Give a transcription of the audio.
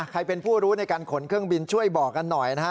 ใครเป็นผู้รู้ในการขนเครื่องบินช่วยบอกกันหน่อยนะฮะ